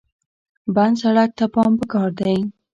بند سړک ته پام پکار دی.